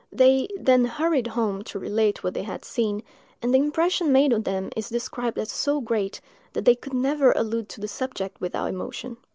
They then hurried home to relate what they had seen, and the impression made on them is described as so great, that they could never allude to the subject without emotion.